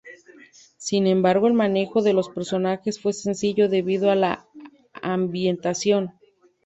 Sin embargo el manejo de los personajes fue sencillo debido a la ambientación.